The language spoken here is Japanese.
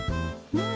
うん。